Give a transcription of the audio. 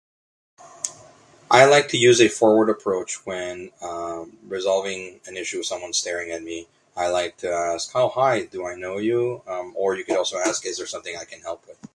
"I like to use a forward approach when, um, resolving an issue of someone staring at me. I like to ask, ""Oh, hi. Do I know you?"", um, or you can also ask, ""Is there something i can help with?""."